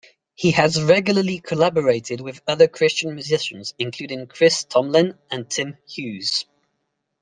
He has regularly collaborated with other Christian musicians including Chris Tomlin and Tim Hughes.